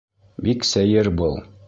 Бик... сәйер был.